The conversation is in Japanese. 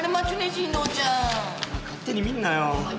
進藤ちゃん。お前勝手に見んなよ。